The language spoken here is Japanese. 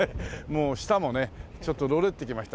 もう舌もねちょっとろれってきました。